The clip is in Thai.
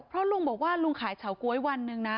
เพราะลุงบอกว่าลุงขายเฉาก๊วยวันหนึ่งนะ